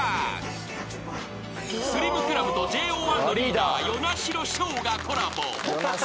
［スリムクラブとＪＯ１のリーダー與那城奨がコラボ］